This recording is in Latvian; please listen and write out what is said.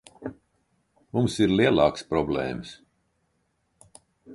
Mums ir lielākas problēmas.